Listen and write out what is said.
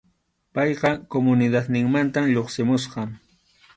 Payqa comunidadninmanta lluqsimusqa.